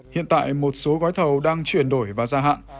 hiện tại một số gói thầu đang chuyển đổi và gia hạn